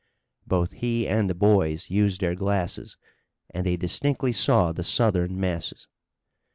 Both he and the boys used their glasses and they distinctly saw the Southern masses.